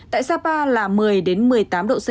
tại sapa là một mươi một mươi tám độ c